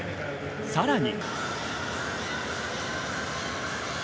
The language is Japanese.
さらに。